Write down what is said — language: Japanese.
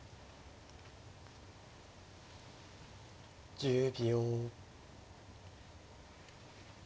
１０秒。